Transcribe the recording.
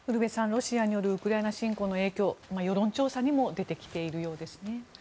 ロシアによるウクライナ侵攻の影響世論調査にも出てきているようですね。